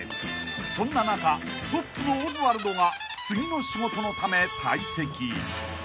［そんな中トップのオズワルドが次の仕事のため退席］